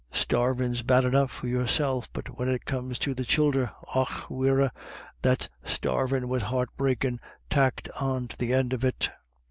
Starvin's bad enough for yourself; but when it comes to the childer — och wirra, that's starvin' wid heart breakin' tacked on to the end of it."